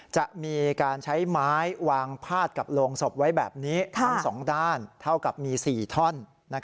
จะมีการใช้ไม้วางพาดกับโรงศพไว้แบบนี้ทั้งสองด้านเท่ากับมี๔ท่อน